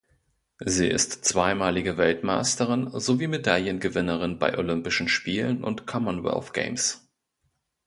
Sie ist zweimalige Weltmeisterin sowie Medaillengewinnerin bei Olympischen Spielen und Commonwealth Games.